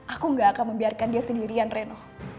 aku gak akan membiarkan dia sendirian reno